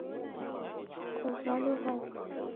Kwavailo hao?